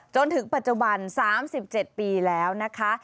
จนถึงปัจจุบัน๓๗ปีแล้วนะคะ